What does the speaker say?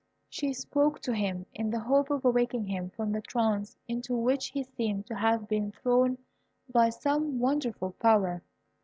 She spoke to him, in the hope of awaking him from the trance into which he seemed to have been thrown by some wonderful power.